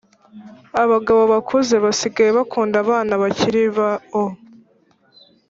Abagabo bakuze basigaye bakunda abana bakiribao